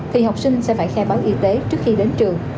thì học sinh sẽ phải khai báo y tế trước khi đến trường